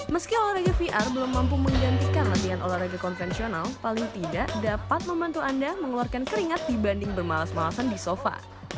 meski olahraga vr belum mampu menggantikan latihan olahraga konvensional paling tidak dapat membantu anda mengeluarkan keringat dibanding bermalas malasan di sofa